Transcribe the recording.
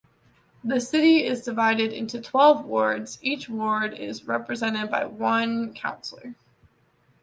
The city is divided into twelve wards; each ward is represented by one councillor.